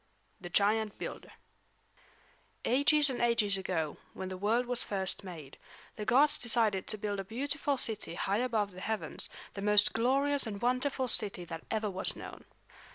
THE GIANT BUILDER Ages and ages ago, when the world was first made, the gods decided to build a beautiful city high above the heavens, the most glorious and wonderful city that ever was known.